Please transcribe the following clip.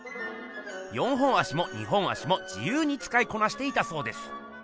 ４本足も２本足も自ゆうにつかいこなしていたそうです。